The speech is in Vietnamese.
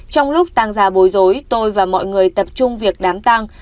trong lúc tăng ra bối rối tôi và mọi người tập trung việc đám tăng